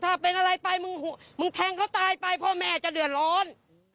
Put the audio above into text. ถ้าเป็นอะไรไปมึงมึงแทงเขาตายไปพ่อแม่จะเดือดร้อน